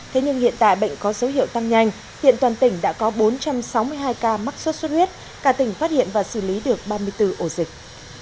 thế nhưng hiện tại bệnh có dấu hiệu tăng nhanh hiện toàn tỉnh đã có bốn trăm sáu mươi hai ca mắc sốt xuất huyết cả tỉnh phát hiện và xử lý được ba mươi bốn ổ dịch